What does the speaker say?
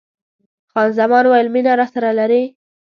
خان زمان وویل: مینه راسره لرې؟